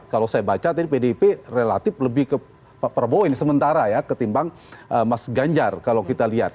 kalau saya baca tadi pdip relatif lebih ke pak prabowo ini sementara ya ketimbang mas ganjar kalau kita lihat